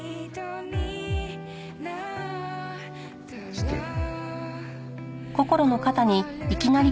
してる。